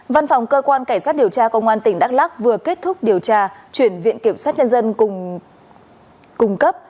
văn phòng cơ quan cảnh sát điều tra công an tỉnh đắk lắc vừa kết thúc điều tra chuyển viện kiểm sát nhân dân cùng cung cấp